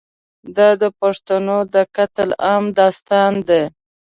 دا د پښتنو د قتل عام داستان دی.